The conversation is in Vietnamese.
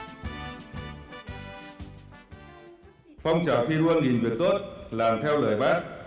phong trào thi đua nhìn việc tốt làm theo lời bác